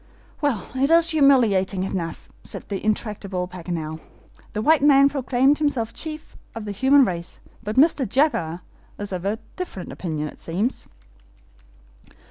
"Well, it is humiliating enough," said the intractable Paganel. "The white man proclaimed himself chief of the human race; but Mr. Jaguar is of a different opinion it seems."